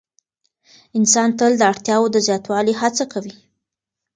انسان تل د اړتیاوو د زیاتوالي هڅه کوي.